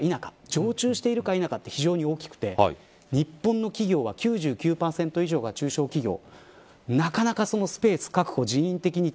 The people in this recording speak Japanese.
常駐しているか否か非常に大きくて日本の企業は９９％以上が中小企業。